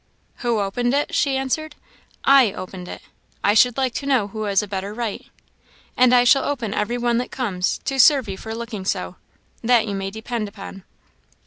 "Who opened it?" she answered; "I opened it. I should like to know who has a better right. And I shall open every one that comes, to serve you for looking so; that you may depend upon."